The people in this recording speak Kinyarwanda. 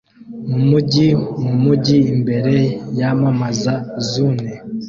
mumujyi mumujyi imbere yamamaza Zune